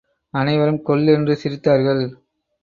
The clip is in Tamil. அனைவரும் கொல் என்று சிரித்தார்கள்.